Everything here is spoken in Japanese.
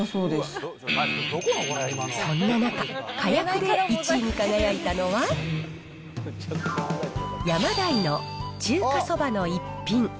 そんな中、かやくで１位に輝いたのは、ヤマダイの中華そばの逸品。